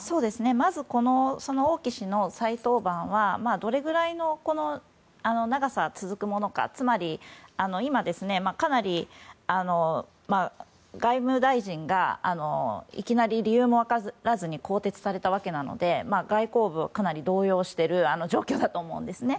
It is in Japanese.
まず、王毅氏の再登板はどれぐらいの長さ続くものかつまり、今、外務大臣がいきなり理由も分からず更迭されたわけなので外交部はかなり動揺している状況だと思うんですね。